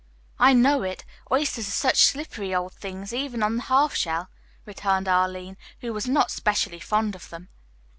"I know it. Oysters are such slippery old things, even on the half shell," returned Arline, who was not specially fond of them.